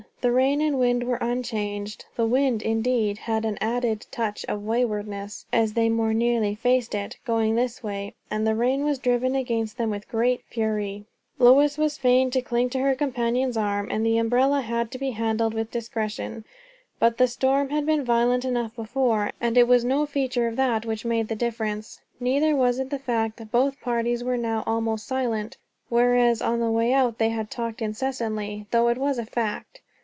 The rain and the wind were unchanged; the wind, indeed, had an added touch of waywardness as they more nearly faced it, going this way; and the rain was driven against them with greater fury. Lois was fain to cling to her companion's arm, and the umbrella had to be handled with discretion. But the storm had been violent enough before, and it was no feature of that which made the difference. Neither was it the fact that both parties were now almost silent, whereas on the way out they had talked incessantly; though it was a fact.